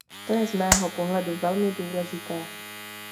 To je z mého pohledu velmi důležité.